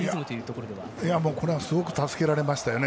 すごく助けられましたよね。